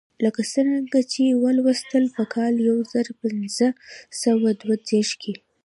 لکه څرنګه چې ولوستل په کال یو زر پنځه سوه دوه دېرش کې.